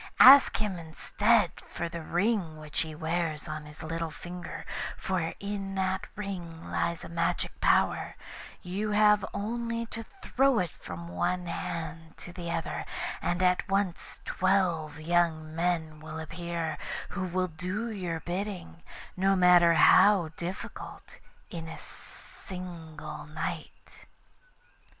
Ask him, instead, for the ring which he wears on his little finger, for in that ring lies a magic power; you have only to throw it from one hand to the other, and at once twelve young men will appear, who will do your bidding, no matter how difficult, in a single night.